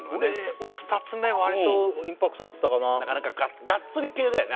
俺２つ目割とインパクトあったかななかなかがっつり系だよね